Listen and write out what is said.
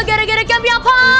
gara gara kami apa